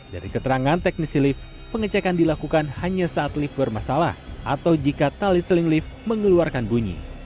dari keterangan teknisi lift pengecekan dilakukan hanya saat lift bermasalah atau jika tali seling lift mengeluarkan bunyi